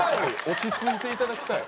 落ち着いていただきたい。